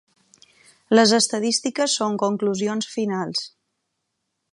Les estadístiques són conclusions finals.